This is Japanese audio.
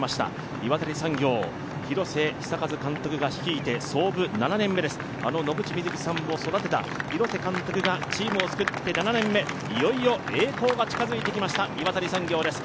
岩谷産業、廣瀬永和が率いて創部７年目です、あの野口みずきさんも育てた廣瀬監督が７年目、いよいよ栄光が近づいてきました岩谷産業です。